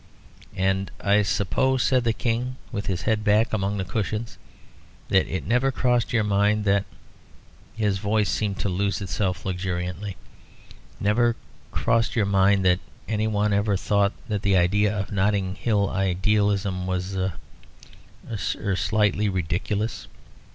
"And I suppose," said the King, with his head back among the cushions, "that it never crossed your mind that" his voice seemed to lose itself luxuriantly "never crossed your mind that any one ever thought that the idea of a Notting Hill idealism was er slightly slightly ridiculous?"